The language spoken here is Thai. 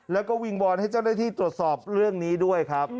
แล้วก็วิงวอนให้เจ้าหน้าที่ตรวจสอบเรื่องนี้ด้วยครับ